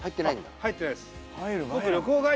入ってないですあっ